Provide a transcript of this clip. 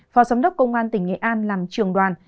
phó giám đốc công an tỉnh nghệ an làm trường đoàn